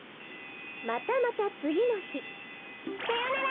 またまたつぎのひさよなら！